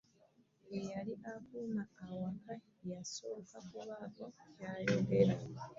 Eyali akuuma awaka ye yasooka okubaako ky'ayogera.